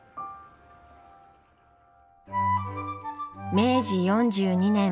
明治４２年。